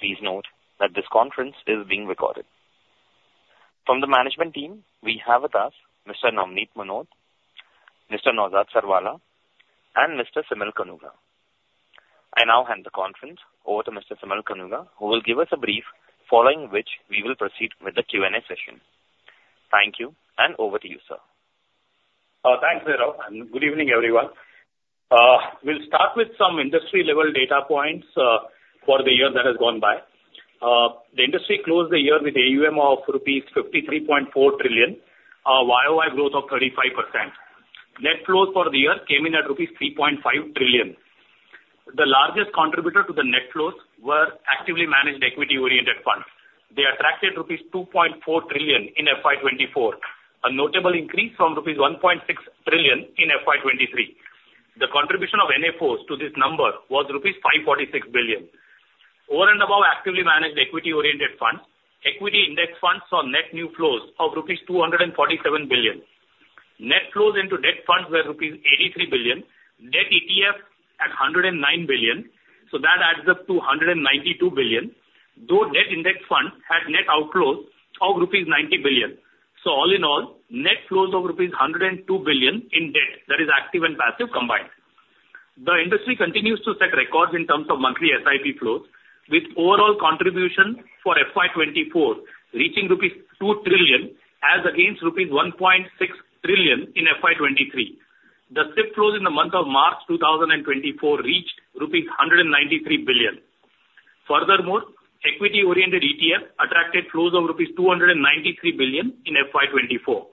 Please note that this conference is being recorded. From the management team, we have with us Mr. Navneet Munot, Mr. Naozad Sirwalla, and Mr. Simal Kanuga. I now hand the conference over to Mr. Simal Kanuga, who will give us a brief following which we will proceed with the Q&A session. Thank you, and over to you, sir. Thanks, Neerav. Good evening, everyone. We'll start with some industry-level data points for the year that has gone by. The industry closed the year with AUM of rupees 53.4 trillion, YoY growth of 35%. Net flows for the year came in at rupees 3.5 trillion. The largest contributor to the net flows were actively managed equity-oriented funds. They attracted rupees 2.4 trillion in FY 2024, a notable increase from rupees 1.6 trillion in FY 2023. The contribution of NFOs to this number was rupees 546 billion. Over and above actively managed equity-oriented funds, equity index funds saw net new flows of INR 247 billion. Net flows into debt funds were INR 83 billion, debt ETFs at 109 billion, so that adds up to 192 billion, though debt index funds had net outflows of INR 90 billion. So all in all, net flows of INR 102 billion in debt, that is active and passive combined. The industry continues to set records in terms of monthly SIP flows, with overall contribution for FY 2024 reaching rupees 2 trillion as against rupees 1.6 trillion in FY 2023. The SIP flows in the month of March 2024 reached rupees 193 billion. Furthermore, equity-oriented ETFs attracted flows of rupees 293 billion in FY 2024.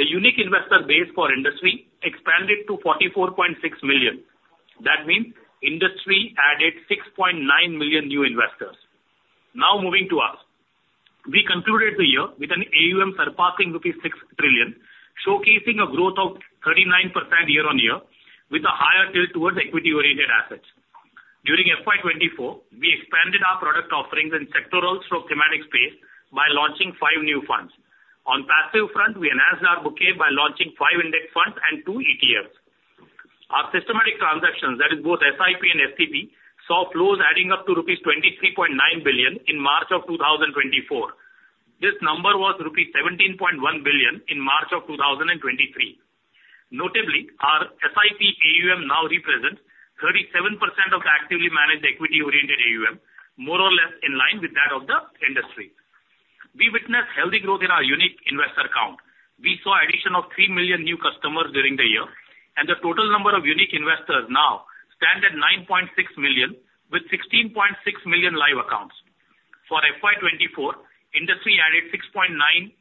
The unique investor base for industry expanded to 44.6 million. That means industry added 6.9 million new investors. Now moving to us. We concluded the year with an AUM surpassing rupees 6 trillion, showcasing a growth of 39% year-on-year with a higher tilt towards equity-oriented assets. During FY 2024, we expanded our product offerings in sectoral/thematic space by launching five new funds. On passive front, we enhanced our bouquet by launching five index funds and two ETFs. Our systematic transactions, that is both SIP and STP, saw flows adding up to rupees 23.9 billion in March of 2024. This number was rupees 17.1 billion in March of 2023. Notably, our SIP AUM now represents 37% of the actively managed equity-oriented AUM, more or less in line with that of the industry. We witnessed healthy growth in our unique investor count. We saw addition of 3 million new customers during the year, and the total number of unique investors now stands at 9.6 million with 16.6 million live accounts. For FY 2024, industry added 6.9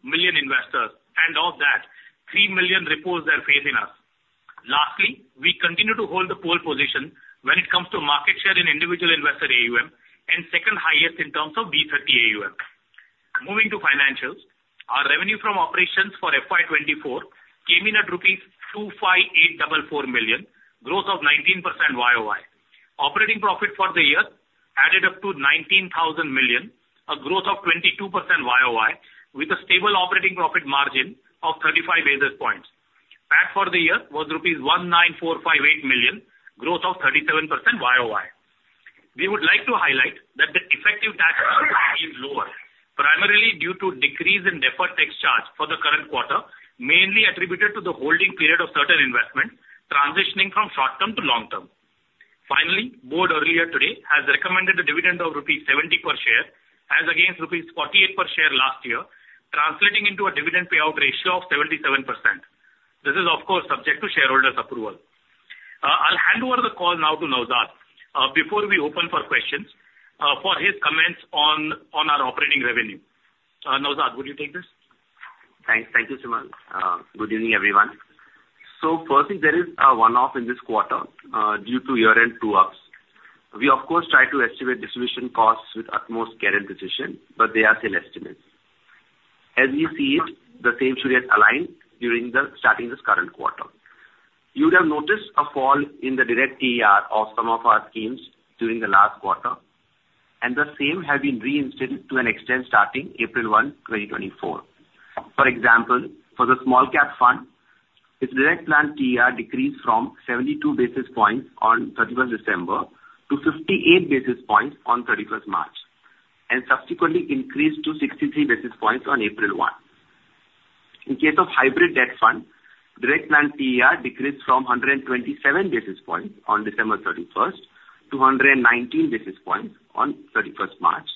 million investors, and of that, 3 million reposed their faith in us. Lastly, we continue to hold the pole position when it comes to market share in individual investor AUM, and second highest in terms of B30 AUM. Moving to financials, our revenue from operations for FY 2024 came in at rupees 25,844 million, growth of 19% YoY. Operating profit for the year added up to 19,000 million, a growth of 22% YoY, with a stable operating profit margin of 35 basis points. PAT for the year was rupees 19,458 million, growth of 37% YoY. We would like to highlight that the effective tax remains lower, primarily due to decrease in deferred tax charge for the current quarter, mainly attributed to the holding period of certain investments transitioning from short-term to long-term. Finally, board earlier today has recommended a dividend of rupees 70 per share as against rupees 48 per share last year, translating into a dividend payout ratio of 77%. This is, of course, subject to shareholders' approval. I'll hand over the call now to Naozad before we open for questions for his comments on our operating revenue. Naozad, would you take this? Thanks. Thank you, Simal. Good evening, everyone. So firstly, there is a one-off in this quarter due to year-end true-ups. We, of course, try to estimate distribution costs with utmost care and precision, but they are still estimates. As we see it, the same should get aligned during starting this current quarter. You would have noticed a fall in the direct TER of some of our schemes during the last quarter, and the same has been reinstated to an extent starting April 1, 2024. For example, for the Small Cap Fund, its direct plan TER decreased from 72 basis points on 31st December to 58 basis points on 31st March, and subsequently increased to 63 basis points on April 1. In case of Hybrid Debt Fund, direct plan TER decreased from 127 basis points on December 31st to 119 basis points on 31st March,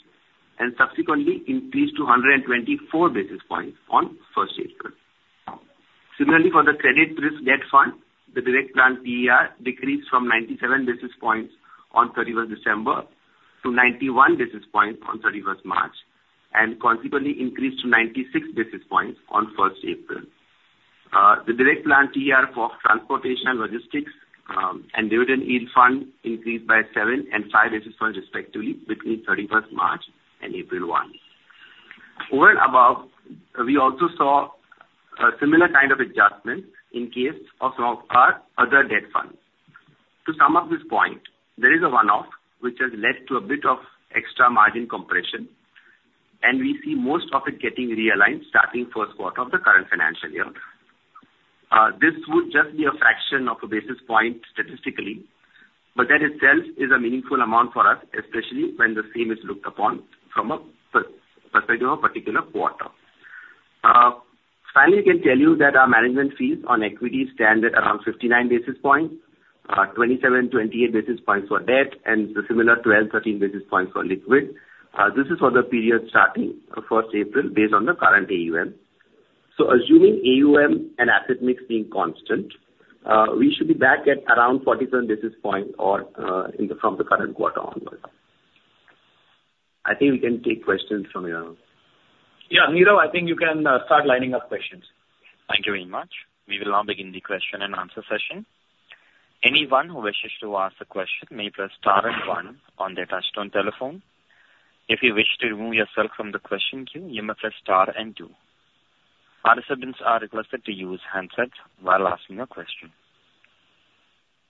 and subsequently increased to 124 basis points on 1st April. Similarly, for the Credit Risk Debt Fund, the direct plan TER decreased from 97 basis points on 31st December to 91 basis points on 31st March, and consequently increased to 96 basis points on 1st April. The direct plan TER for Transportation and Logistics and Dividend Yield Fund increased by 7 and 5 basis points, respectively, between 31st March and April 1. Over and above, we also saw a similar kind of adjustment in case of some of our other debt funds. To sum up this point, there is a one-off which has led to a bit of extra margin compression, and we see most of it getting realigned starting first quarter of the current financial year. This would just be a fraction of a basis point statistically, but that itself is a meaningful amount for us, especially when the scheme is looked upon from the perspective of a particular quarter. Finally, I can tell you that our management fees on equity stand at around 59 basis points, 27-28 basis points for debt, and similar 12-13 basis points for liquid. This is for the period starting 1st April based on the current AUM. So assuming AUM and asset mix being constant, we should be back at around 47 basis points from the current quarter onwards. I think we can take questions from here. Yeah, Neerav, I think you can start lining up questions. Thank you very much. We will now begin the question-and-answer session. Anyone who wishes to ask a question may press star and one on their touch-tone telephone. If you wish to remove yourself from the question queue, you may press star and two. Participants are requested to use handsets while asking a question.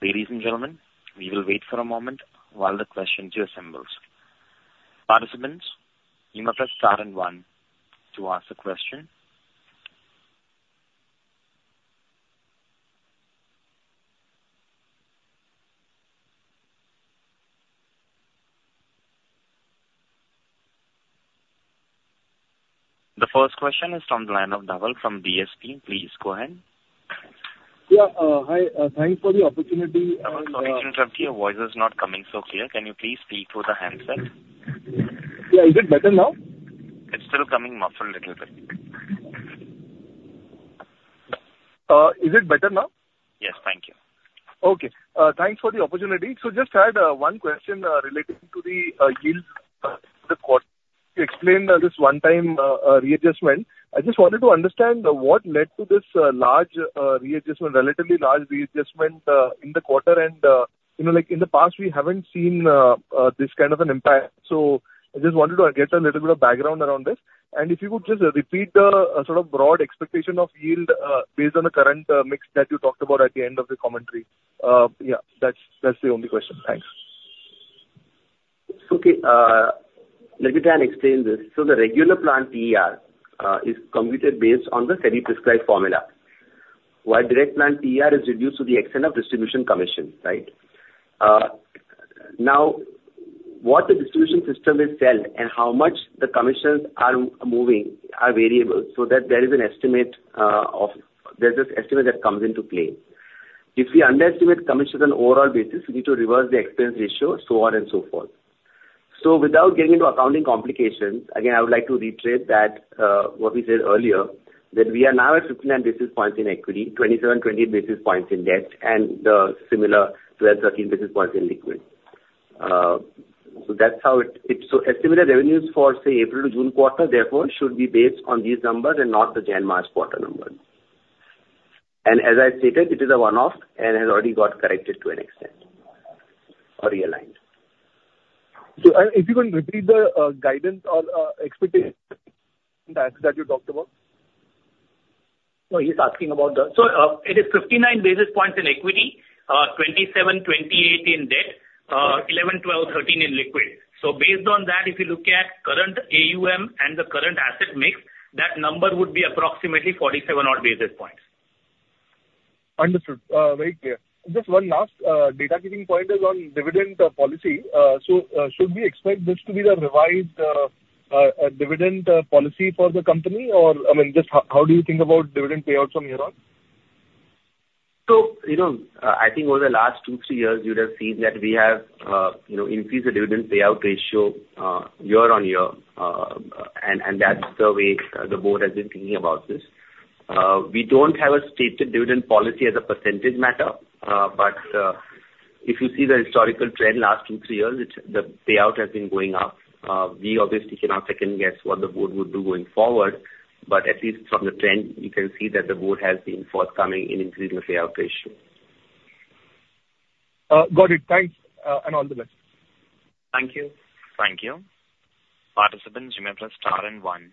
Ladies and gentlemen, we will wait for a moment while the question queue assembles. Participants, you may press star and one to ask a question. The first question is from the line of Dhaval from DSP. Please go ahead. Yeah, hi. Thanks for the opportunity. Sorry to interrupt here. Voice is not coming so clear. Can you please speak through the handset? Yeah, is it better now? It's still coming muffled a little bit. Is it better now? Yes, thank you. Okay. Thanks for the opportunity. So just had one question relating to the yields for the quarter. You explained this one-time readjustment. I just wanted to understand what led to this relatively large readjustment in the quarter? And in the past, we haven't seen this kind of an impact. So I just wanted to get a little bit of background around this. And if you could just repeat the sort of broad expectation of yield based on the current mix that you talked about at the end of the commentary? Yeah, that's the only question. Thanks. Okay. Let me try and explain this. So the regular plan TER is computed based on the steady prescribed formula, while direct plan TER is reduced to the extent of distribution commission, right? Now, what the distribution system is held and how much the commissions are moving are variable, so that there is an estimate of there's this estimate that comes into play. If we underestimate commissions on an overall basis, we need to reverse the expense ratio, so on and so forth. So without getting into accounting complications, again, I would like to reiterate what we said earlier, that we are now at 59 basis points in equity, 27-28 basis points in debt, and similar 12-13 basis points in liquid. So that's how it so estimated revenues for, say, April to June quarter, therefore, should be based on these numbers and not the Jan-March quarter numbers. As I stated, it is a one-off and has already got corrected to an extent or realigned. If you can repeat the guidance or expectations that you talked about. No, he's asking about the so it is 59 basis points in equity, 27-28 in debt, 11-13 in liquid. So based on that, if you look at current AUM and the current asset mix, that number would be approximately 47-odd basis points. Understood. Very clear. Just one last housekeeping point is on dividend policy. Should we expect this to be the revised dividend policy for the company, or I mean, just how do you think about dividend payouts from here on? I think over the last two to three years, you would have seen that we have increased the dividend payout ratio year-on-year, and that's the way the board has been thinking about this. We don't have a stated dividend policy as a percentage matter, but if you see the historical trend last two to three years, the payout has been going up. We obviously cannot second-guess what the board would do going forward, but at least from the trend, you can see that the board has been forthcoming in increasing the payout ratio. Got it. Thanks, and all the best. Thank you. Thank you. Participants, you may press star and one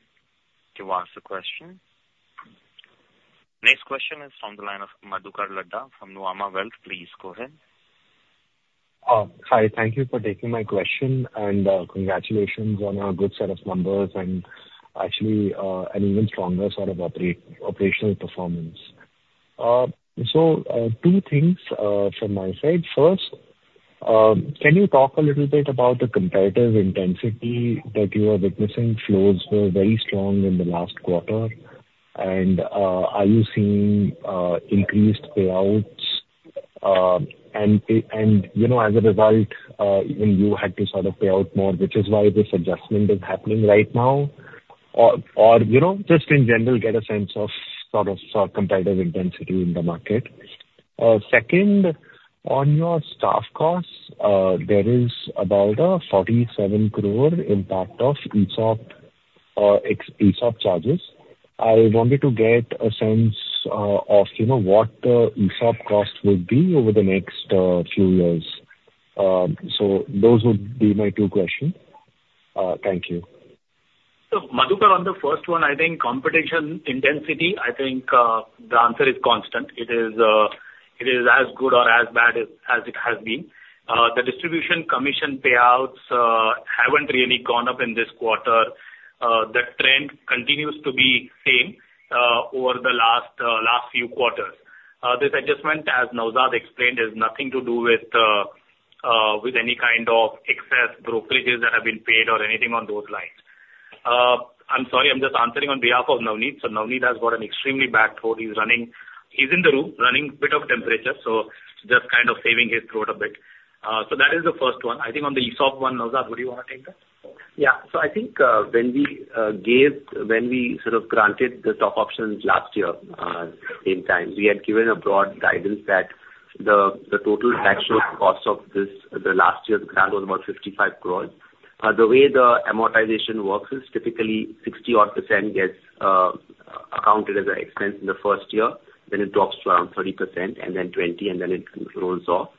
to ask the question. Next question is from the line of Madhukar Ladha from Nuvama Wealth. Please go ahead. Hi. Thank you for taking my question, and congratulations on a good set of numbers and actually an even stronger sort of operational performance. So two things from my side. First, can you talk a little bit about the competitive intensity that you are witnessing? Flows were very strong in the last quarter, and are you seeing increased payouts? And as a result, you had to sort of pay out more, which is why this adjustment is happening right now, or just in general, get a sense of sort of competitive intensity in the market? Second, on your staff costs, there is about a 47 crore impact of ESOP charges. I wanted to get a sense of what the ESOP cost would be over the next few years. So those would be my two questions. Thank you. So, Madhukar, on the first one, I think competition intensity, I think the answer is constant. It is as good or as bad as it has been. The distribution commission payouts haven't really gone up in this quarter. The trend continues to be same over the last few quarters. This adjustment, as Naozad explained, has nothing to do with any kind of excess brokerages that have been paid or anything on those lines. I'm sorry. I'm just answering on behalf of Navneet. So Navneet has got an extremely bad throat. He's in the room, running a bit of temperature, so just kind of saving his throat a bit. So that is the first one. I think on the ESOP one, Naozad, would you want to take that? Yeah. So I think when we sort of granted the stock options last year at the same time, we had given a broad guidance that the total taxable cost of last year's grant was about 55 crores. The way the amortization works is typically 60-odd% gets accounted as an expense in the first year. Then it drops to around 30%, and then 20%, and then it rolls off.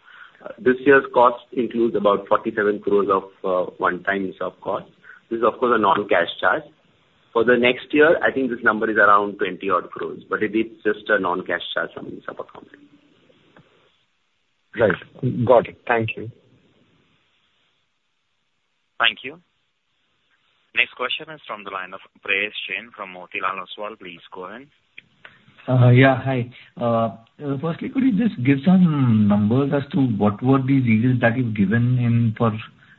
This year's cost includes about 47 crores of one-time ESOP costs. This is, of course, a non-cash charge. For the next year, I think this number is around 20-odd crores, but it's just a non-cash charge from ESOP accounting. Right. Got it. Thank you. Thank you. Next question is from the line of Prayesh Jain from Motilal Oswal. Please go ahead. Yeah, hi. Firstly, could you just give some numbers as to what were these yields that you've given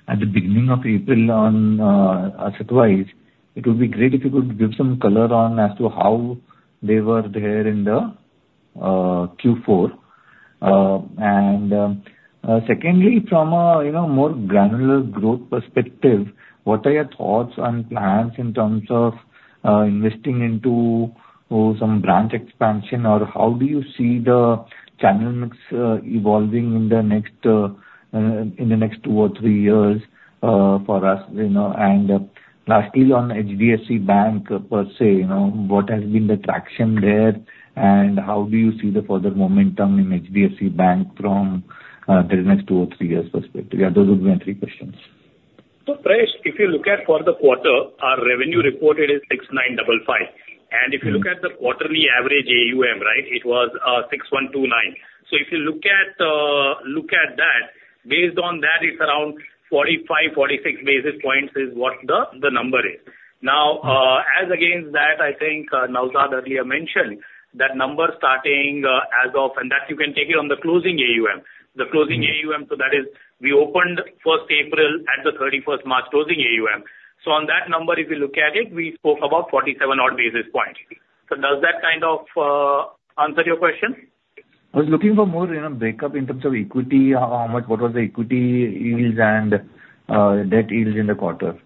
at the beginning of April on asset-wise? It would be great if you could give some color on as to how they were there in the Q4. And secondly, from a more granular growth perspective, what are your thoughts on plans in terms of investing into some branch expansion, or how do you see the channel mix evolving in the next two or three years for us? And lastly, on HDFC Bank per se, what has been the traction there, and how do you see the further momentum in HDFC Bank from the next two or three years' perspective? Yeah, those would be my three questions. So Prayesh, if you look at, for the quarter, our revenue reported is 6,955. And if you look at the quarterly average AUM, right, it was 6,129. So if you look at that, based on that, it's around 45-46 basis points is what the number is. Now, as against that, I think Naozad earlier mentioned that number starting as of and that you can take it on the closing AUM. So that is, we opened 1st April at the 31st March closing AUM. So on that number, if you look at it, we spoke about 47-odd basis points. So does that kind of answer your question? I was looking for more breakup in terms of equity. What was the equity yields and debt yields in the quarter?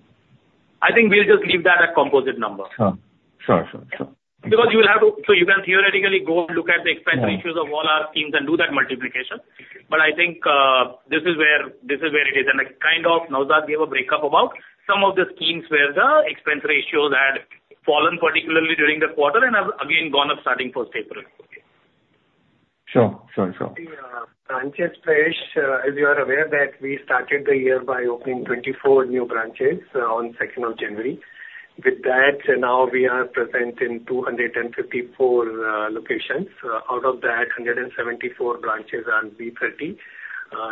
I think we'll just leave that at composite number. Sure, sure, sure, sure. Because you will have to, so you can theoretically go and look at the expense ratios of all our schemes and do that multiplication. But I think this is where it is. Kind of Naozad gave a breakdown about some of the schemes where the expense ratios had fallen, particularly during the quarter, and have again gone up starting 1st April. Sure, sure, sure. The branches, Prayesh, as you are aware, that we started the year by opening 24 new branches on 2nd of January. With that, now we are present in 254 locations. Out of that, 174 branches are in B30.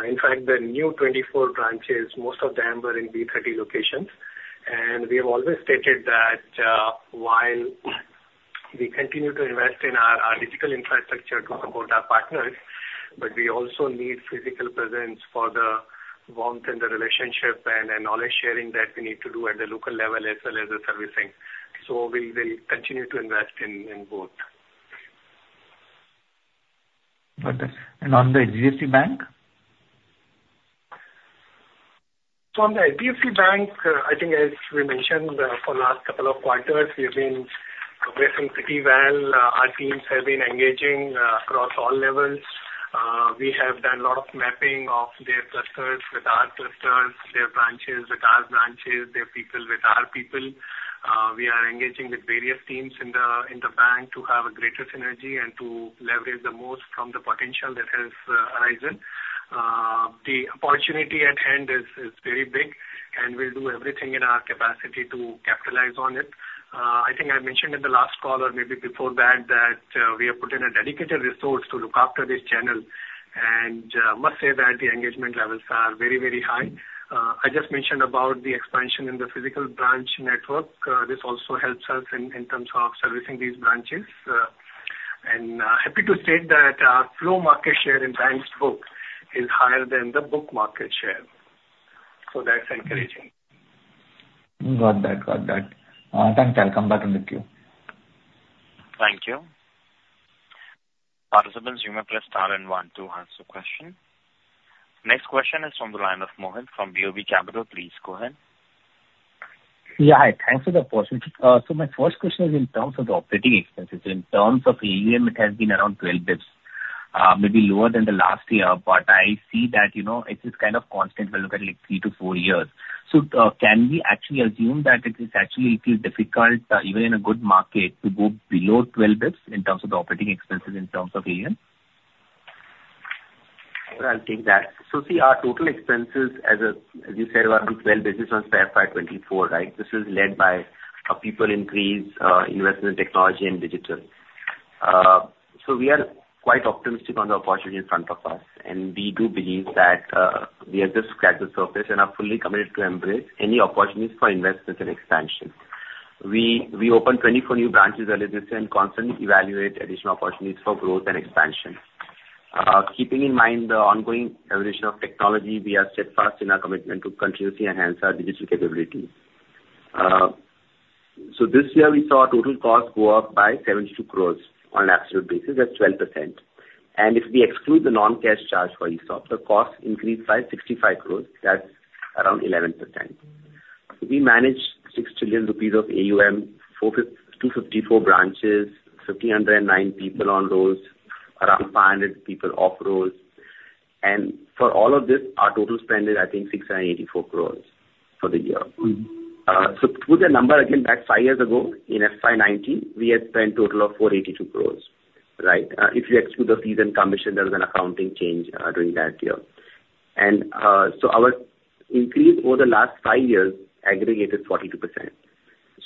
In fact, the new 24 branches, most of them were in B30 locations. We have always stated that while we continue to invest in our digital infrastructure to support our partners, but we also need physical presence for the warmth and the relationship and knowledge sharing that we need to do at the local level as well as the servicing. We'll continue to invest in both. Got it. On the HDFC Bank? So on the HDFC Bank, I think, as we mentioned, for the last couple of quarters, we have been progressing pretty well. Our teams have been engaging across all levels. We have done a lot of mapping of their clusters with our clusters, their branches with our branches, their people with our people. We are engaging with various teams in the bank to have a greater synergy and to leverage the most from the potential that has arisen. The opportunity at hand is very big, and we'll do everything in our capacity to capitalize on it. I think I mentioned in the last call or maybe before that that we have put in a dedicated resource to look after this channel. And I must say that the engagement levels are very, very high. I just mentioned about the expansion in the physical branch network. This also helps us in terms of servicing these branches. Happy to state that our flow market share in bank's book is higher than the book market share. That's encouraging. Got that, got that. Thanks, Nav. I'll come back on the queue. Thank you. Participants, you may press star and one to answer the question. Next question is from the line of Mohan Lal from BOB Capital Markets Limited. Please go ahead. Yeah, hi. Thanks for the opportunity. So my first question is in terms of the operating expenses. In terms of AUM, it has been around 12 bps, maybe lower than the last year, but I see that it is kind of constant when you look at three to four years. So can we actually assume that it is actually a little difficult, even in a good market, to go below 12 bps in terms of the operating expenses in terms of AUM? I'll take that. So see, our total expenses, as you said, were around 12 basis points per FY 2024, right? This was led by a people increase, investment in technology, and digital. So we are quite optimistic on the opportunity in front of us, and we do believe that we have just scratched the surface and are fully committed to embrace any opportunities for investment and expansion. We opened 24 new branches early this year and constantly evaluate additional opportunities for growth and expansion. Keeping in mind the ongoing evolution of technology, we are steadfast in our commitment to continuously enhance our digital capabilities. So this year, we saw total costs go up by 72 crore on an absolute basis. That's 12%. And if we exclude the non-cash charge for ESOP, the costs increased by 65 crore. That's around 11%. We managed 6 trillion rupees of AUM, 254 branches, 1,509 people on rolls, around 500 people off rolls. And for all of this, our total spend is, I think, 684 crore for the year. So put the number again. Back five years ago, in FY 2019, we had spent a total of 482 crore, right, if you exclude the fees and commission. There was an accounting change during that year. And so our increase over the last five years aggregated 42%.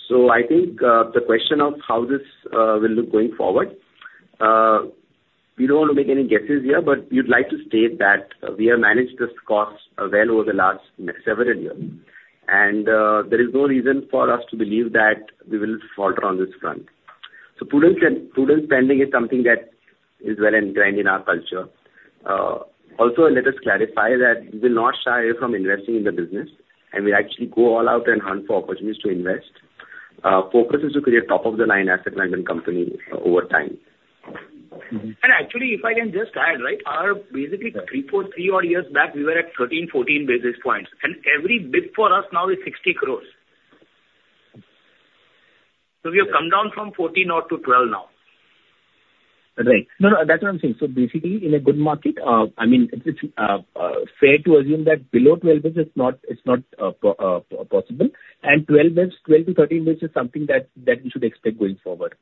So I think the question of how this will look going forward, we don't want to make any guesses here, but we'd like to state that we have managed this cost well over the last several years, and there is no reason for us to believe that we will falter on this front. So prudent spending is something that is well ingrained in our culture. Also, let us clarify that we will not shy away from investing in the business, and we'll actually go all out and hunt for opportunities to invest. Focus is to create top-of-the-line asset management company over time. Actually, if I can just add, right, basically, three or four years back, we were at 13, 14 basis points, and every bps for us now is 60 crore. So we have come down from 14-odd to 12 now. Right. No, no. That's what I'm saying. So basically, in a good market, I mean, it's fair to assume that below 12 bps, it's not possible. And 12-13 bps is something that we should expect going forward.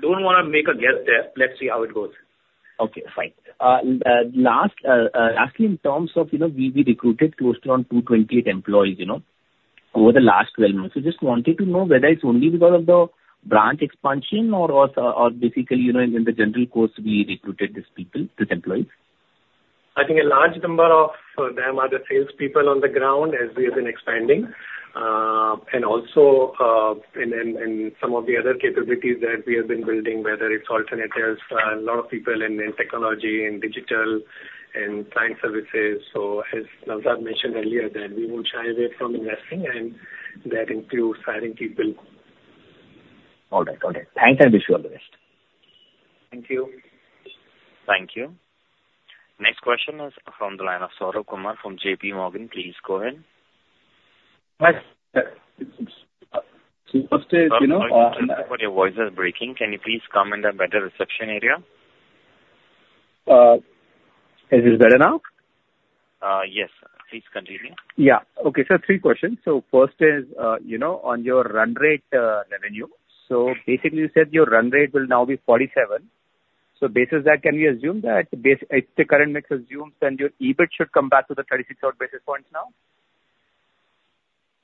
Don't want to make a guess there. Let's see how it goes. Okay, fine. Lastly, in terms of we recruited close to around 228 employees over the last 12 months. We just wanted to know whether it's only because of the branch expansion or basically, in the general course, we recruited these employees? I think a large number of them are the salespeople on the ground as we have been expanding. Also, in some of the other capabilities that we have been building, whether it's alternatives, a lot of people in technology and digital and client services. As Naozad mentioned earlier, that we won't shy away from investing, and that includes hiring people. All right. All right. Thanks, and wish you all the best. Thank you. Thank you. Next question is from the line of Saurabh Kumar from JPMorgan. Please go ahead. Hi. So first is, I'm sorry. Sorry about your voice breaking. Can you please come to a better reception area? Is this better now? Yes. Please continue. Yeah. Okay, three questions. First is on your run rate revenue. Basically, you said your run rate will now be 47. Based on that, can we assume that if the current mix assumes, then your EBIT should come back to the 36-odd basis points now?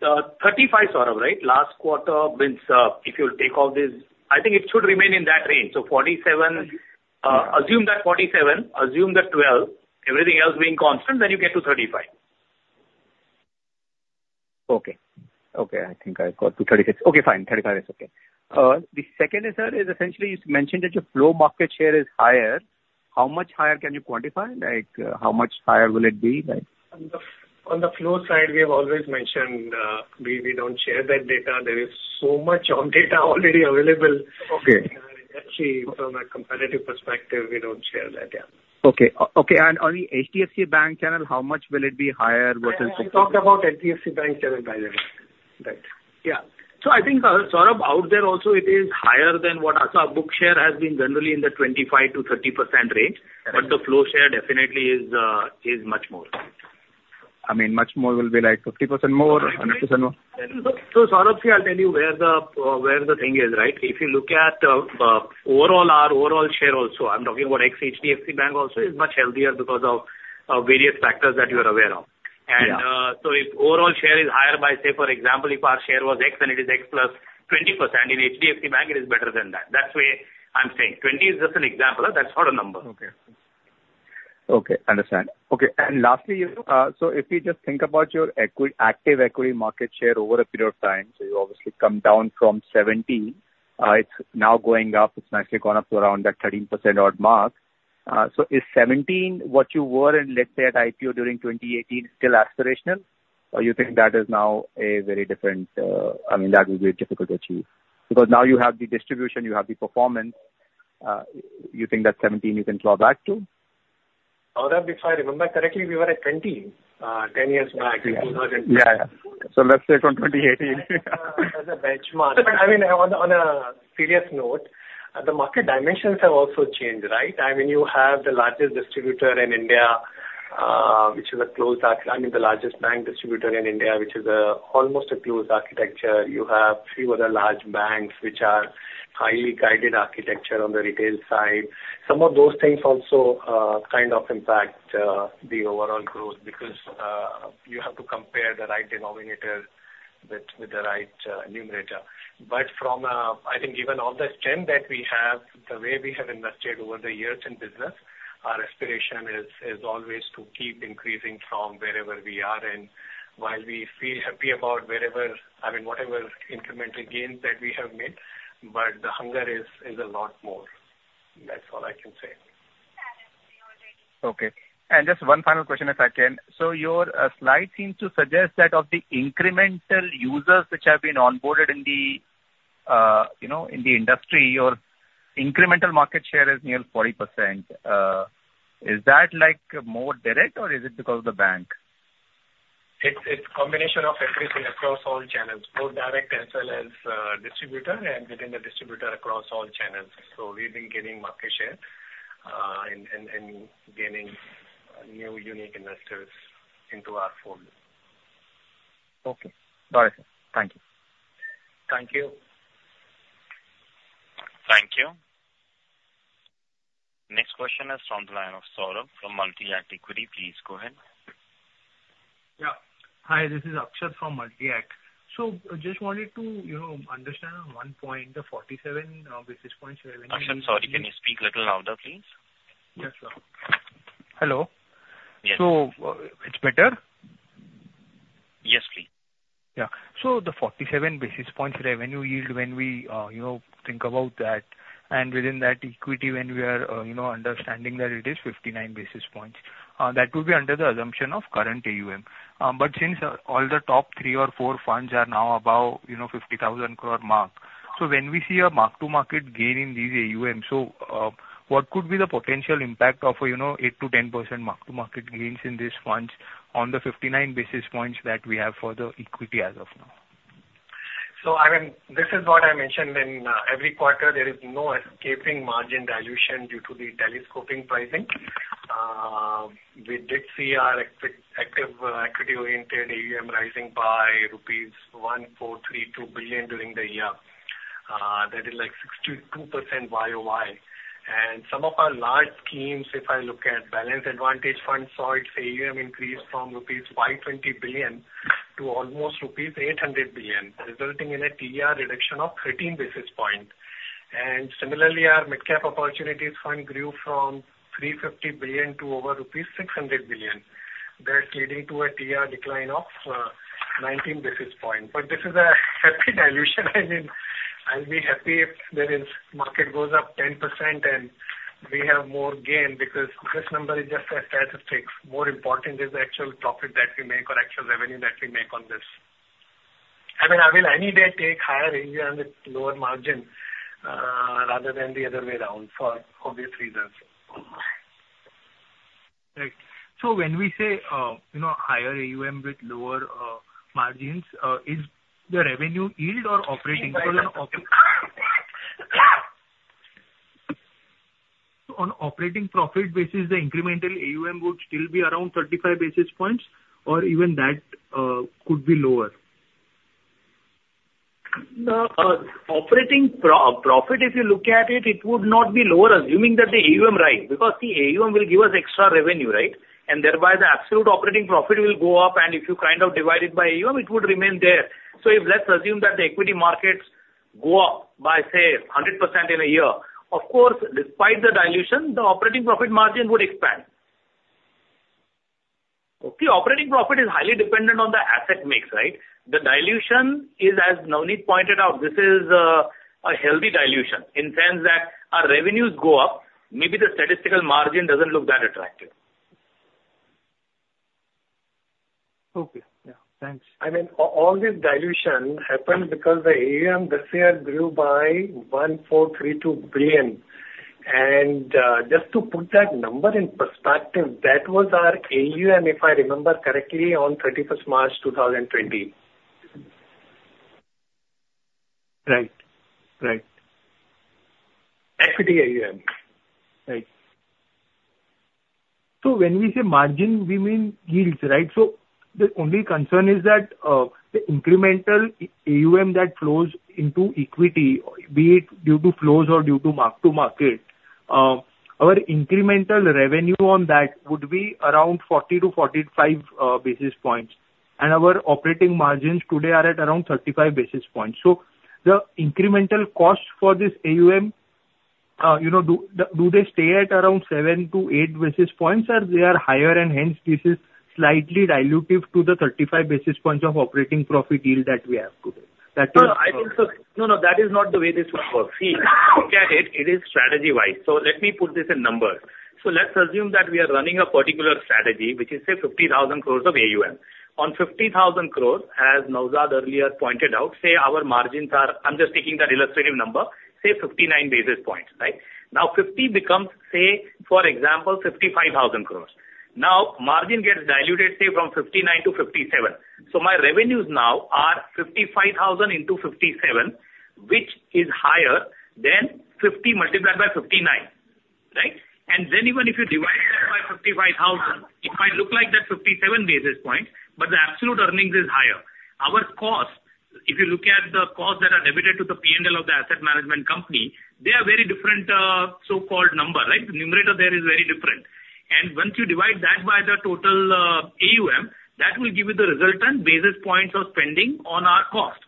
35, Saurabh, right? Last quarter, means if you take all this, I think it should remain in that range. So assume that 47, assume that 12, everything else being constant, then you get to 35. Okay. Okay. I think I got to 36. Okay, fine. 35 is okay. The second is, sir, is essentially you mentioned that your flow market share is higher. How much higher can you quantify? How much higher will it be, right? On the flow side, we have always mentioned we don't share that data. There is so much online data already available. Actually, from a competitive perspective, we don't share that. Yeah. Okay. Okay. On the HDFC Bank channel, how much will it be higher versus book share? We talked about HDFC Bank channel, by the way. Yeah. So I think, Saurabh, out there also, it is higher than what our book share has been generally in the 25%-30% range, but the flow share definitely is much more. I mean, much more will be like 50% more, 100% more? So Saurabh, see, I'll tell you where the thing is, right? If you look at our overall share also, I'm talking about ex-HDFC Bank also, it's much healthier because of various factors that you are aware of. And so if overall share is higher by, say, for example, if our share was X and it is X plus 20%, in HDFC Bank, it is better than that. That's why I'm saying 20 is just an example. That's not a number. Okay. Okay. Understand. Okay. And lastly, so if you just think about your active equity market share over a period of time, so you obviously come down from 17. It's now going up. It's nicely gone up to around that 13%-odd mark. So is 17 what you were in, let's say, at IPO during 2018 still aspirational, or you think that is now a very different—I mean, that would be difficult to achieve? Because now you have the distribution. You have the performance. You think that 17 you can claw back to? Oh, that'd be fine. Remember, correctly, we were at 20, 10 years back in 2010. Yeah, yeah. So let's say from 2018. As a benchmark. I mean, on a serious note, the market dimensions have also changed, right? I mean, you have the largest distributor in India, which is a closed I mean, the largest bank distributor in India, which is almost a closed architecture. You have a few other large banks, which are highly guided architecture on the retail side. Some of those things also kind of impact the overall growth because you have to compare the right denominator with the right numerator. But from, I think, given all the strength that we have, the way we have invested over the years in business, our aspiration is always to keep increasing from wherever we are and while we feel happy about whatever incremental gains that we have made, but the hunger is a lot more. That's all I can say. Okay. And just one final question, if I can. So your slide seems to suggest that of the incremental users which have been onboarded in the industry, your incremental market share is near 40%. Is that more direct, or is it because of the bank? It's a combination of everything across all channels, both direct as well as distributor and within the distributor across all channels. So we've been gaining market share and gaining new unique investors into our fold. Okay. Got it, sir. Thank you. Thank you. Thank you. Next question is from the line of Saurabh from Multi-Act Equity. Please go ahead. Yeah. Hi. This is Akshat from Multi-Act. So I just wanted to understand on one point, the 47 basis points revenue. Akshat, sorry. Can you speak a little louder, please? Yes, sir. Hello? Yes. It's better? Yes, please. Yeah. So the 47 basis points revenue yield when we think about that and within that equity, when we are understanding that it is 59 basis points, that would be under the assumption of current AUM. But since all the top three or four funds are now above 50,000 crore mark, so when we see a mark-to-market gain in these AUMs, so what could be the potential impact of 8%-10% mark-to-market gains in these funds on the 59 basis points that we have for the equity as of now? So I mean, this is what I mentioned. In every quarter, there is no escaping margin dilution due to the telescopic pricing. We did see our active equity-oriented AUM rising by rupees 1,432 billion during the year. That is like 62% YoY. And some of our large schemes, if I look at Balanced Advantage Fund, saw its AUM increase from rupees 520 billion to almost rupees 800 billion, resulting in a TER reduction of 13 basis points. And similarly, our Mid-Cap Opportunities Fund grew from 350 billion to over rupees 600 billion. That's leading to a TER decline of 19 basis points. But this is a happy dilution. I mean, I'll be happy if the market goes up 10% and we have more gain because this number is just a statistic. More important is the actual profit that we make or actual revenue that we make on this. I mean, I will any day take higher AUM with lower margin rather than the other way around for obvious reasons. Right. So when we say higher AUM with lower margins, is the revenue yield or operating profit? Increasing. On operating profit basis, the incremental AUM would still be around 35 basis points, or even that could be lower? No. Operating profit, if you look at it, it would not be lower, assuming that the AUM rises because the AUM will give us extra revenue, right? And thereby, the absolute operating profit will go up, and if you kind of divide it by AUM, it would remain there. So if let's assume that the equity markets go up by, say, 100% in a year, of course, despite the dilution, the operating profit margin would expand. Okay? Operating profit is highly dependent on the asset mix, right? The dilution is, as Navneet pointed out, this is a healthy dilution in the sense that our revenues go up. Maybe the statistical margin doesn't look that attractive. Okay. Yeah. Thanks. I mean, all this dilution happened because the AUM this year grew by 1,432 billion. Just to put that number in perspective, that was our AUM, if I remember correctly, on 31st March, 2020. Right. Right. Equity AUM. Right. So when we say margin, we mean yields, right? So the only concern is that the incremental AUM that flows into equity, be it due to flows or due to mark-to-market, our incremental revenue on that would be around 40-45 basis points. And our operating margins today are at around 35 basis points. So the incremental cost for this AUM, do they stay at around 7-8 basis points, or they are higher? And hence, this is slightly dilutive to the 35 basis points of operating profit yield that we have today. That is. No, no. I think so. No, no. That is not the way this would work. See, look at it. It is strategy-wise. So let me put this in numbers. So let's assume that we are running a particular strategy, which is, say, 50,000 crore of AUM. On 50,000 crore, as Naozad earlier pointed out, say, our margins are. I'm just taking that illustrative number, say, 59 basis points, right? Now, 50 becomes, say, for example, 55,000 crore. Now, margin gets diluted, say, from 59 to 57. So my revenues now are 55,000 into 57, which is higher than 50 multiplied by 59, right? And then even if you divide that by 55,000, it might look like that 57 basis points, but the absolute earnings is higher. If you look at the costs that are debited to the P&L of the asset management company, they are very different so-called numbers, right? The numerator there is very different. Once you divide that by the total AUM, that will give you the resultant basis points of spending on our cost.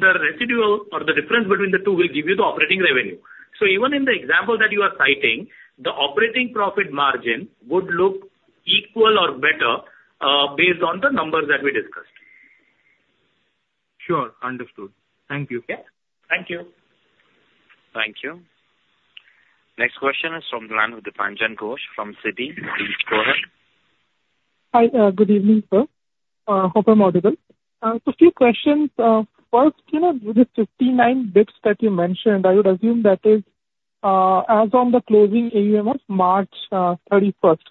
The residual or the difference between the two will give you the operating revenue. Even in the example that you are citing, the operating profit margin would look equal or better based on the numbers that we discussed. Sure. Understood. Thank you. Yeah. Thank you. Thank you. Next question is from the line of Dipanjan Ghosh from Citi. Please go ahead. Hi. Good evening, sir. Hope I'm audible. So a few questions. First, with the 59 bps that you mentioned, I would assume that is as on the closing AUM of March 31st.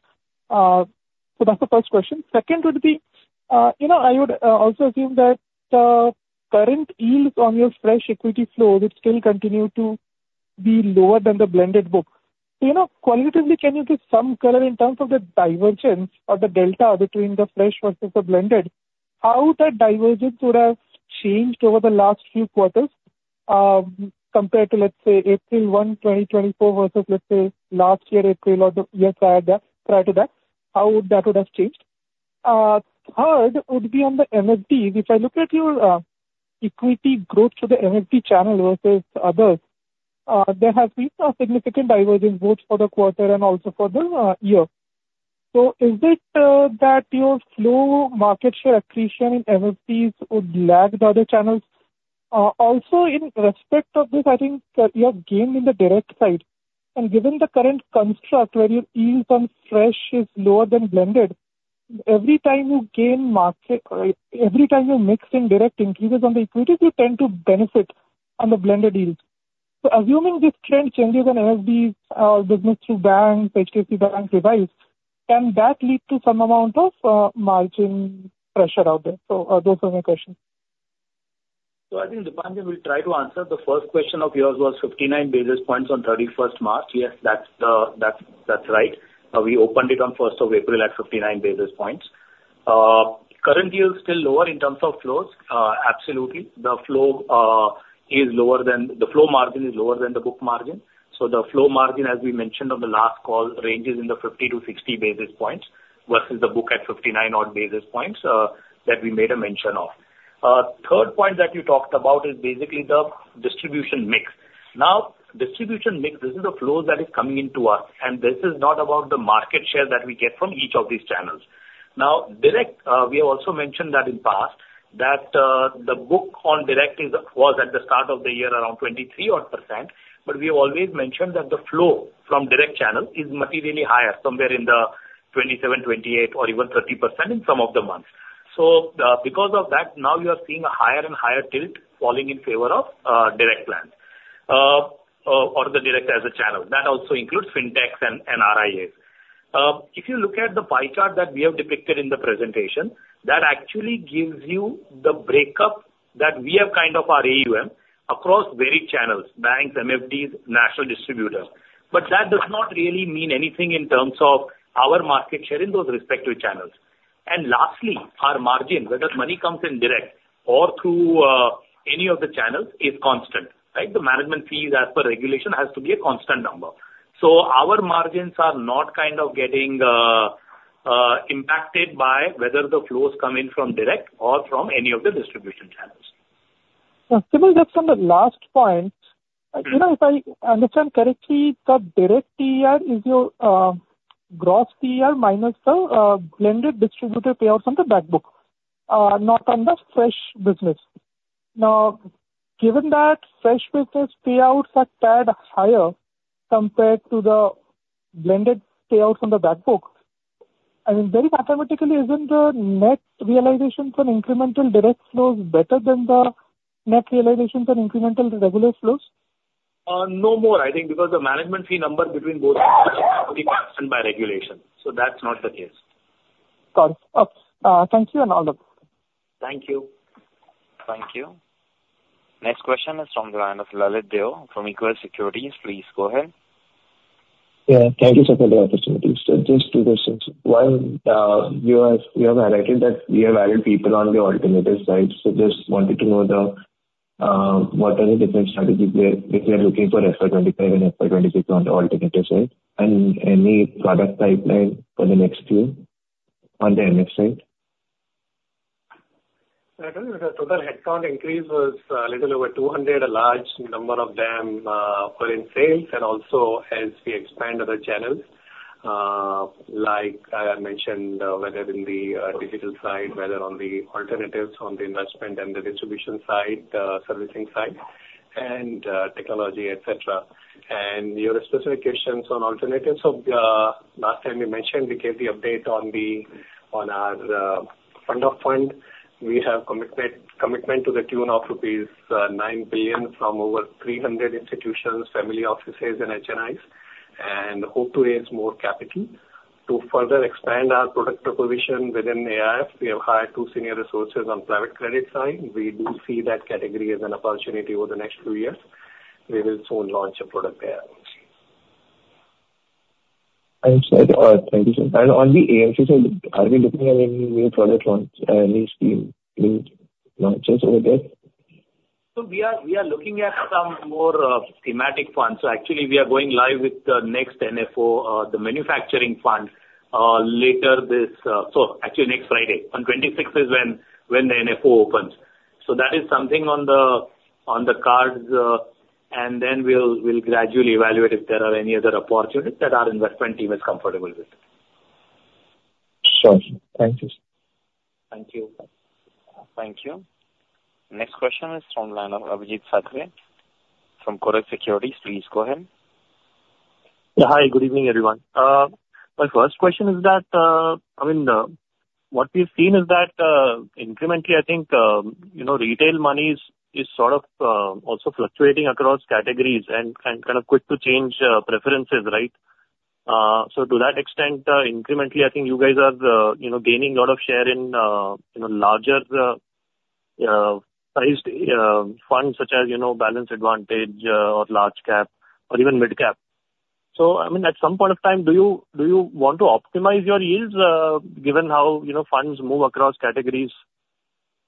So that's the first question. Second would be, I would also assume that the current yields on your fresh equity flows, it still continues to be lower than the blended book. So qualitatively, can you give some color in terms of the divergence or the delta between the fresh versus the blended? How that divergence would have changed over the last few quarters compared to, let's say, April 1, 2024, versus, let's say, last year April or the year prior to that? How that would have changed? Third would be on the MFDs. If I look at your equity growth through the MFD channel versus others, there has been a significant divergence both for the quarter and also for the year. Is it that your flow market share accretion in MFDs would lag the other channels? Also, in respect of this, I think you have gained in the direct side. Given the current construct where your yields on fresh is lower than blended, every time you gain market or every time you mix in direct increases on the equities, you tend to benefit on the blended yields. Assuming this trend changes on MFDs or business through banks, HDFC Bank revises, can that lead to some amount of margin pressure out there? Those are my questions. So I think Dipanjan will try to answer. The first question of yours was 59 basis points on 31st March. Yes, that's right. We opened it on 1st of April at 59 basis points. Current yields still lower in terms of flows? Absolutely. The flow is lower than the flow margin is lower than the book margin. So the flow margin, as we mentioned on the last call, ranges in the 50-60 basis points versus the book at 59-odd basis points that we made a mention of. Third point that you talked about is basically the distribution mix. Now, distribution mix, this is the flows that is coming into us. And this is not about the market share that we get from each of these channels. Now, we have also mentioned that in the past that the book on direct was at the start of the year around 23-odd%, but we have always mentioned that the flow from direct channel is materially higher, somewhere in the 27, 28, or even 30% in some of the months. So because of that, now you are seeing a higher and higher tilt falling in favor of direct plans or the direct as a channel. That also includes fintechs and RIAs. If you look at the pie chart that we have depicted in the presentation, that actually gives you the breakup that we have kind of our AUM across varied channels, banks, MFDs, national distributors. But that does not really mean anything in terms of our market share in those respective channels. Lastly, our margin, whether money comes in direct or through any of the channels, is constant, right? The management fees, as per regulation, has to be a constant number. So our margins are not kind of getting impacted by whether the flows come in from direct or from any of the distribution channels. Okay. Maybe just on the last point, if I understand correctly, the direct TER is your gross TER minus the blended distributor payouts on the backbook, not on the fresh business. Now, given that fresh business payouts are tagged higher compared to the blended payouts on the backbook, I mean, very mathematically, isn't the net realizations on incremental direct flows better than the net realizations on incremental regular flows? No more, I think, because the management fee number between both is 45% by regulation. That's not the case. Got it. Okay. Thank you and all the best. Thank you. Thank you. Next question is from the line of Lalit Deo from Equirus Securities. Please go ahead. Yeah. Thank you, sir, for the opportunity. So just two questions. One, you have added that we have added people on the alternative side. So just wanted to know what are the different strategies if we are looking for FY 2025 and FY 2026 on the alternative side and any product pipeline for the next few on the MF side? Certainly, the total headcount increase was a little over 200, a large number of them for in sales, and also as we expand other channels, like I had mentioned, whether in the digital side, whether on the alternatives on the investment and the distribution side, the servicing side, and technology, etc. Your specifications on alternatives, so last time you mentioned, we gave the update on our fund of fund. We have commitment to the tune of rupees 9 billion from over 300 institutions, family offices, and HNIs, and hope to raise more capital to further expand our product proposition within AIF. We have hired two senior resources on private credit side. We do see that category as an opportunity over the next few years. We will soon launch a product there. I understand. All right. Thank you, sir. On the AMC side, are we looking at any new product launch or any scheme launches over there? We are looking at some more thematic funds. So actually, we are going live with the next NFO, the Manufacturing Fund, later this so actually, next Friday. On 26th is when the NFO opens. So that is something on the cards. And then we'll gradually evaluate if there are any other opportunities that our investment team is comfortable with. Sure. Thank you, sir. Thank you. Thank you. Next question is from Abhijeet Satre from Kotak Securities. Please go ahead. Yeah. Hi. Good evening, everyone. My first question is that I mean, what we have seen is that incrementally, I think retail money is sort of also fluctuating across categories and kind of quick to change preferences, right? So to that extent, incrementally, I think you guys are gaining a lot of share in larger-sized funds such as Balanced Advantage or Large Cap or even Mid-Cap. So I mean, at some point of time, do you want to optimize your yields given how funds move across categories,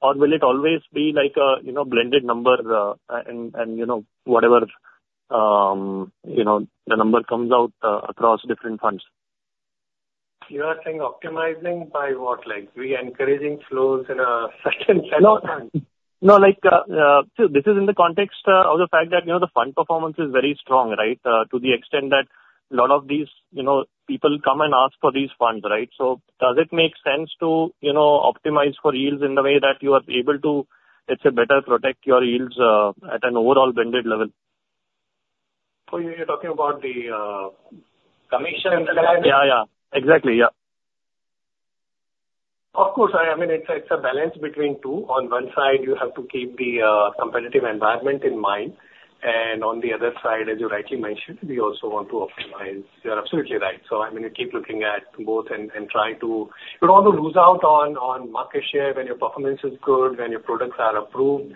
or will it always be a blended number and whatever the number comes out across different funds? You are saying optimizing by what? Like we encouraging flows in a certain set of funds? No. No. See, this is in the context of the fact that the fund performance is very strong, right, to the extent that a lot of these people come and ask for these funds, right? So does it make sense to optimize for yields in the way that you are able to, let's say, better protect your yields at an overall blended level? Oh, you're talking about the commission? Yeah. Yeah. Exactly. Yeah. Of course. I mean, it's a balance between two. On one side, you have to keep the competitive environment in mind. And on the other side, as you rightly mentioned, we also want to optimize. You're absolutely right. So I mean, you keep looking at both and try to you don't want to lose out on market share when your performance is good, when your products are approved,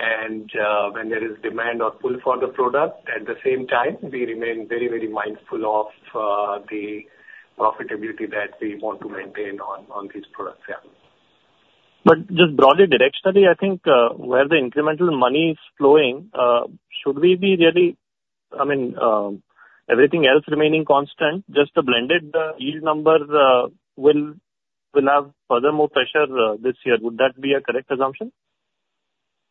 and when there is demand or pull for the product. At the same time, we remain very, very mindful of the profitability that we want to maintain on these products. Yeah. But just broadly, directionally, I think where the incremental money is flowing, should we be really? I mean, everything else remaining constant, just the blended yield number will have further more pressure this year. Would that be a correct assumption?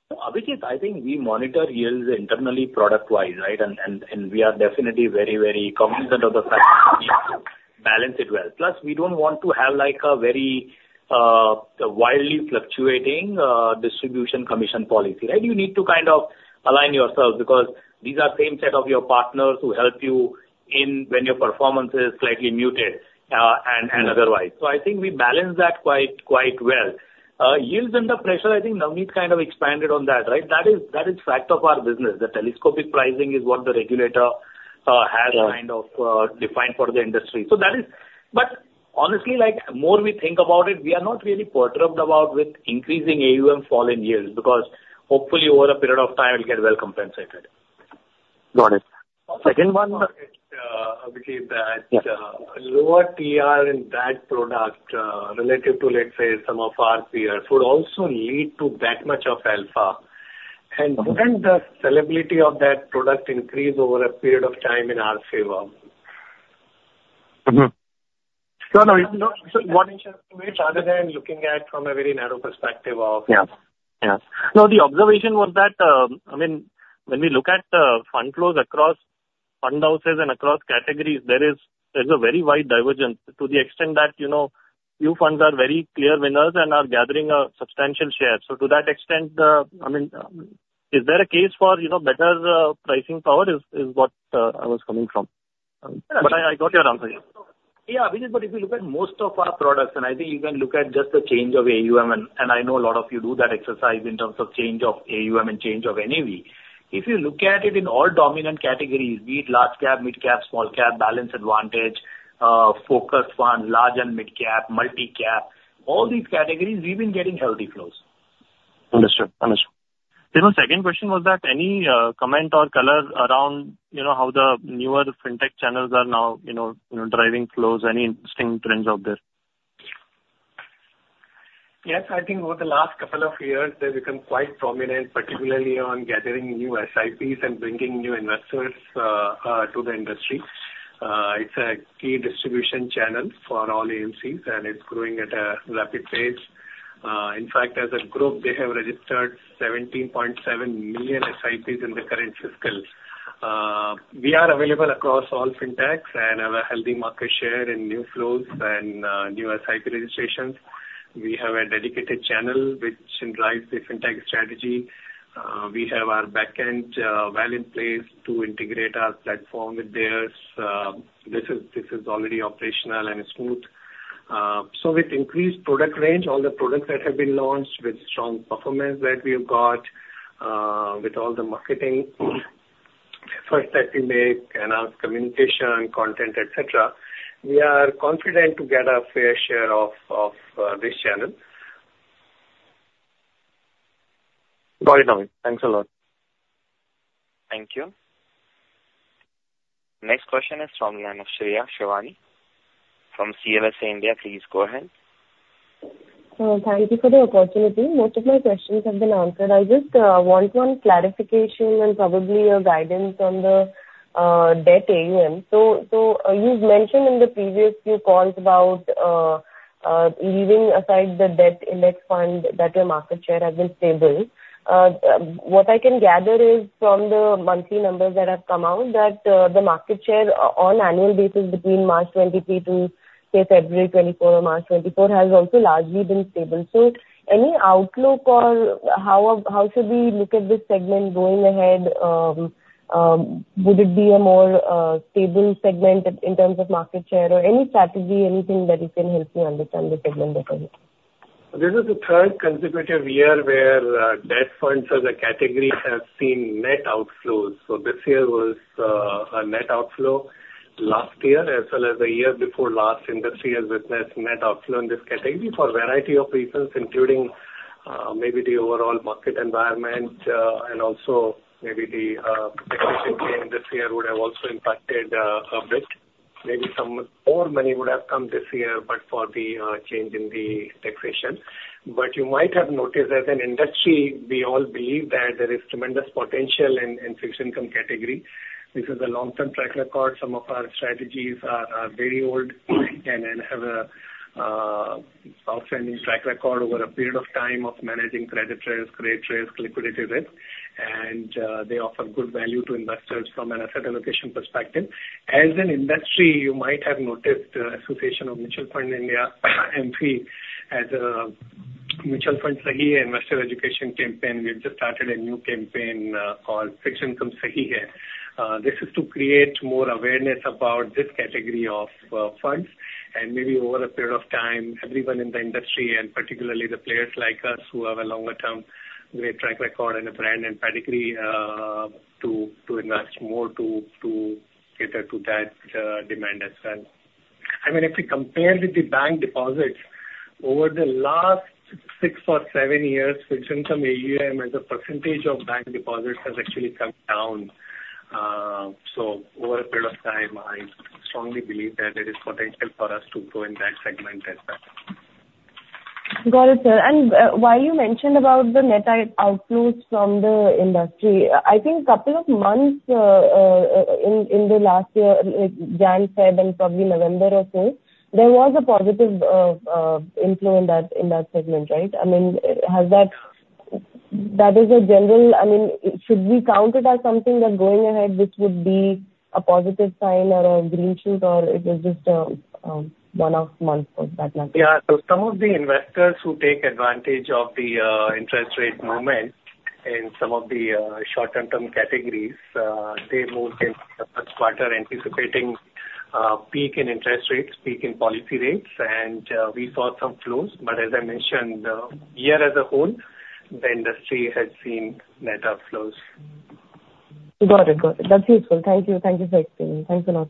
So Abhijeet, I think we monitor yields internally product-wise, right? And we are definitely very, very cognizant of the fact that we need to balance it well. Plus, we don't want to have a very wildly fluctuating distribution commission policy, right? You need to kind of align yourselves because these are the same set of your partners who help you when your performance is slightly muted and otherwise. So I think we balance that quite well. Yields under pressure, I think Navneet kind of expanded on that, right? That is a fact of our business. The telescopic pricing is what the regulator has kind of defined for the industry. But honestly, more we think about it, we are not really perturbed about increasing AUM, falling yields because hopefully, over a period of time, it'll get well compensated. Got it. Second one. Abhijeet, that lower TER in that product relative to, let's say, some of our peers would also lead to that much of alpha. Wouldn't the sell-ability of that product increase over a period of time in our favor? Sure. No. So what I'm trying to say is other than looking at from a very narrow perspective of. Yeah. Yeah. No, the observation was that I mean, when we look at fund flows across fund houses and across categories, there is a very wide divergence to the extent that few funds are very clear winners and are gathering a substantial share. So to that extent, I mean, is there a case for better pricing power? is what I was coming from. But I got your answer. Yeah. Yeah. Abhijeet, but if you look at most of our products, and I think you can look at just the change of AUM, and I know a lot of you do that exercise in terms of change of AUM and change of NAV, if you look at it in all dominant categories, be it Large Cap, Mid-Cap, Small Cap, Balanced Advantage, Focused Funds, Large and Mid-Cap, Multi-Cap, all these categories, we've been getting healthy flows. Understood. Understood. See, my second question was that any comment or color around how the newer fintech channels are now driving flows, any interesting trends out there? Yes. I think over the last couple of years, they've become quite prominent, particularly on gathering new SIPs and bringing new investors to the industry. It's a key distribution channel for all AMCs, and it's growing at a rapid pace. In fact, as a group, they have registered 17.7 million SIPs in the current fiscal. We are available across all fintechs and have a healthy market share in new flows and new SIP registrations. We have a dedicated channel which drives the fintech strategy. We have our backend well in place to integrate our platform with theirs. This is already operational and smooth. So with increased product range, all the products that have been launched with strong performance that we have got with all the marketing efforts that we make and our communication, content, etc., we are confident to get a fair share of this channel. Got it, Navneet. Thanks a lot. Thank you. Next question is from Shreya Shivani from CLSA India. Please go ahead. Thank you for the opportunity. Most of my questions have been answered. I just want one clarification and probably a guidance on the debt AUM. So you've mentioned in the previous few calls about leaving aside the debt index fund that your market share has been stable. What I can gather is from the monthly numbers that have come out that the market share on annual basis between March 2023 to, say, February 2024 or March 2024 has also largely been stable. So any outlook or how should we look at this segment going ahead? Would it be a more stable segment in terms of market share, or any strategy, anything that you can help me understand the segment better? This is the third consecutive year where debt funds as a category have seen net outflows. So this year was a net outflow. Last year, as well as the year before last, the industry has witnessed net outflow in this category for a variety of reasons, including maybe the overall market environment and also maybe the taxation change this year would have also impacted a bit. Maybe some more money would have come this year but for the change in the taxation. But you might have noticed as an industry, we all believe that there is tremendous potential in fixed income category. This is a long-term track record. Some of our strategies are very old and have an outstanding track record over a period of time of managing credit risk, rate risk, liquidity risk. They offer good value to investors from an asset allocation perspective. As an industry, you might have noticed the Association of Mutual Funds in India, AMFI, has a Mutual Fund Sahi Hai Investor Education campaign. We have just started a new campaign called Fixed Income Sahi Hai. This is to create more awareness about this category of funds. And maybe over a period of time, everyone in the industry and particularly the players like us who have a longer-term great track record and a brand and pedigree to invest more to cater to that demand as well. I mean, if we compare with the bank deposits, over the last six or seven years, fixed income AUM as a percentage of bank deposits has actually come down. So over a period of time, I strongly believe that there is potential for us to grow in that segment as well. Got it, sir. And while you mentioned about the net outflows from the industry, I think a couple of months in the last year, like January, February, and probably November or so, there was a positive inflow in that segment, right? I mean, that is a general, I mean, should we count it as something that going ahead, this would be a positive sign or a green shoot, or it was just one-off month for that matter? Yeah. So some of the investors who take advantage of the interest rate movement in some of the short-term term categories, they moved in the first quarter anticipating a peak in interest rates, peak in policy rates. And we saw some flows. But as I mentioned, the year as a whole, the industry has seen net outflows. Got it. Got it. That's useful. Thank you. Thank you for explaining. Thanks a lot.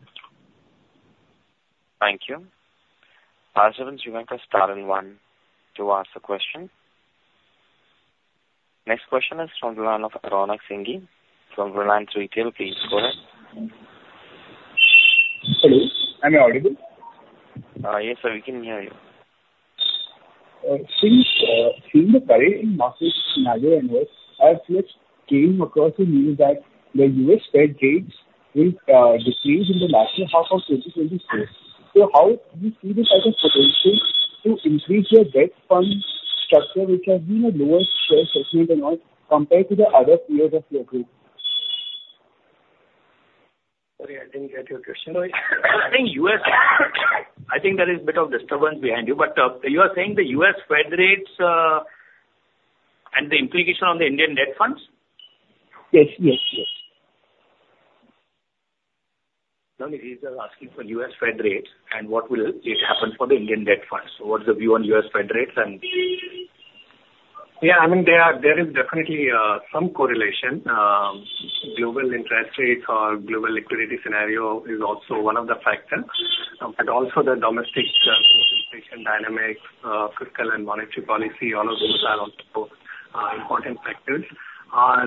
Thank you. Anyone, you may press star and one to ask a question. Next question is from the line of Raunak Singhi from Reliance Retail. Please go ahead. Hello. Am I audible? Yes, sir. We can hear you. Since the current market in India and U.S., I have just came across a news that the U.S. Fed rates will decrease in the last half of 2024. So how do you see this as a potential to increase your debt fund structure, which has been a lower share segment and all, compared to the other peers of your group? Sorry, I didn't get your question. I think there is a bit of disturbance behind you. But you are saying the U.S. Fed rates and the implication on the Indian debt funds? Yes. Yes. Yes. Navneet, these are asking for U.S. Fed rates and what will happen for the Indian debt funds. So what's the view on U.S. Fed rates and? Yeah. I mean, there is definitely some correlation. Global interest rates or global liquidity scenario is also one of the factors. But also, the domestic inflation dynamics, fiscal and monetary policy, all of those are also important factors. Our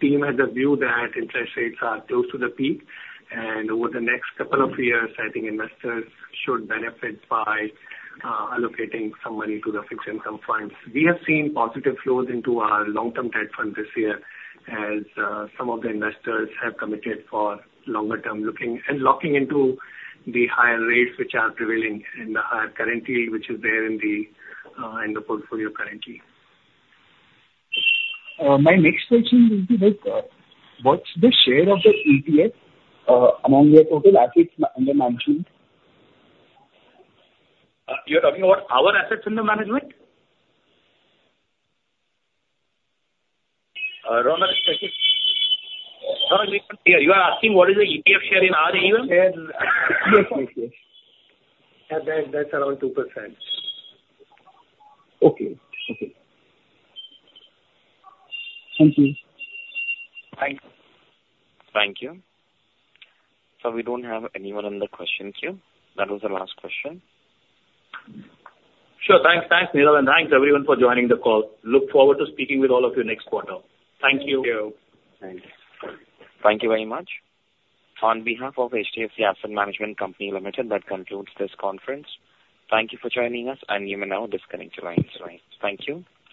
team has a view that interest rates are close to the peak. And over the next couple of years, I think investors should benefit by allocating some money to the fixed income funds. We have seen positive flows into our long-term debt fund this year as some of the investors have committed for longer-term looking and locking into the higher rates which are prevailing and the higher current yield which is there in the portfolio currently. My next question will be what's the share of the ETF among your total assets under management? You're talking about our assets under management? Raunak, you are asking what is the ETF share in our AUM? Yes. Yes. Yes. That's around 2%. Okay. Okay. Thank you. Thank you. Thank you. So we don't have anyone on the question queue. That was the last question. Sure. Thanks. Thanks, Neerav. Thanks, everyone, for joining the call. Look forward to speaking with all of you next quarter. Thank you. Thank you. Thank you. Thank you very much. On behalf of HDFC Asset Management Co Ltd, that concludes this conference. Thank you for joining us, and you may now disconnect your line. Thank you.